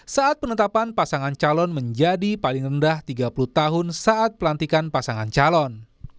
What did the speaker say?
saat penetapan pasangan calon menjadi paling rendah tiga puluh tahun saat pelantikan pasangan calon